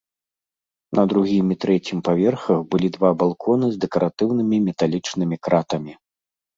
На другім і трэцім паверхах былі два балконы з дэкаратыўнымі металічнымі кратамі.